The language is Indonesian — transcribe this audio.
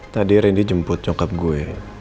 tadi rendy jemput nyokap gue